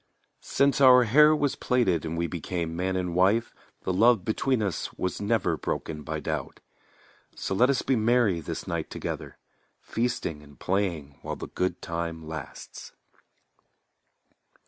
Since our hair was plaited and we became man and wife The love between us was never broken by doubt. So let us be merry this night together, Feasting and playing while the good time lasts.